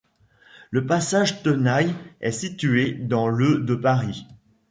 Le passage Tenaille est situé dans le de Paris.